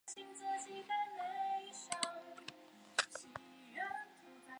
琉球峨螺是一种海螺的物种。